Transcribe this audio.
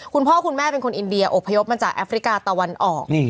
คุณพ่อคุณแม่เป็นคนอินเดียอบพยพมาจากแอฟริกาตะวันออก